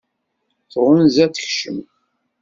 Tɣunza ad tekcem.